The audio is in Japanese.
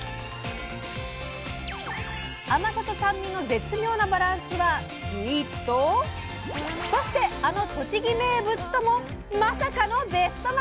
甘さと酸味の絶妙なバランスはスイーツとそしてあの栃木名物ともまさかのベストマッチ⁉